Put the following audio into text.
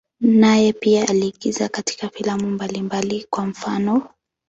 Naye pia aliigiza katika filamu mbalimbali, kwa mfano.